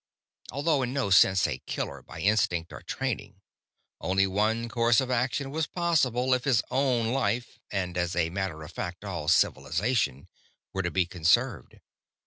Although in no sense a killer, by instinct or training, only one course of action was possible if his own life and, as a matter of fact, all civilization were to be conserved.